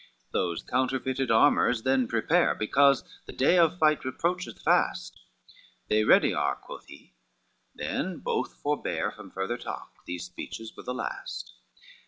LXV "Those counterfeited armors then prepare, Because the day of fight approacheth fast." "They ready are," quoth he; then both forbare From further talk, these speeches were the last.